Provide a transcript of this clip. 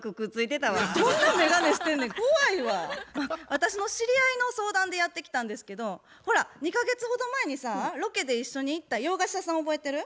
私の知り合いの相談でやって来たんですけどほら２か月ほど前にさロケで一緒に行った洋菓子屋さん覚えてる？